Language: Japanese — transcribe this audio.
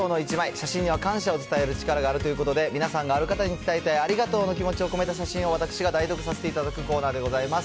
写真には感謝を伝える力があるということで、皆さんがある方に伝えたいありがとうの気持ちを込めた写真を私が代読させていただくコーナーでございます。